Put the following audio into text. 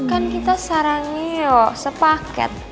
kan kita sarang nio sepaket